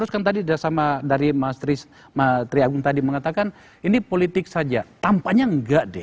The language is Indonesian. jadi tadi dari mas triagung tadi mengatakan ini politik saja tampaknya enggak deh